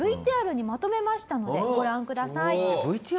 ＶＴＲにまとめましたのでご覧ください。